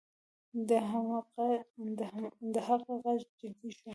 د هغه غږ جدي شو